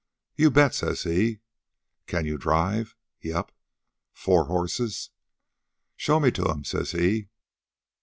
'You bet,' says he. 'Can you drive?' 'Yep.' 'Four horses!' 'Show me to 'em,' says he.